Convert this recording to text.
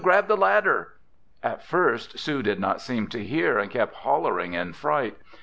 Grab the ladder!" At first Sue did not seem to hear and kept hollering in fright.